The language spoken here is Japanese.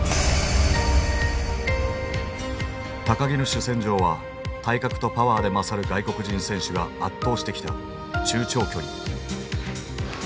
木の主戦場は体格とパワーで勝る外国人選手が圧倒してきた中長距離。